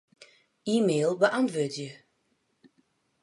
E-mail beäntwurdzje.